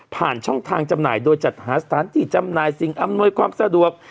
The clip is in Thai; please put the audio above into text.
ช่องทางจำหน่ายโดยจัดหาสถานที่จำหน่ายสิ่งอำนวยความสะดวก